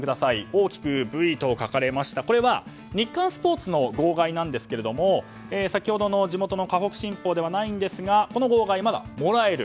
大きく「Ｖ」と書かれました日刊スポーツの号外なんですが先ほどの地元の河北新報ではないんですがこの号外、まだもらえる。